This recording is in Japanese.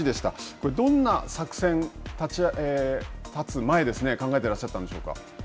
これ、どんな作戦立つ前ですね、考えていらっしゃったんでしょうか。